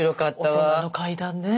大人の階段ね。